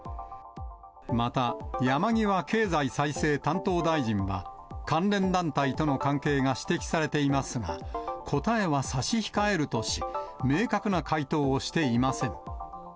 また、山際経済再生担当大臣は、関連団体との関係が指摘されていますが、答えは差し控えるとし、明確な回答をしていません。